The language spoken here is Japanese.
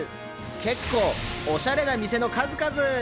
結構おしゃれな店の数々！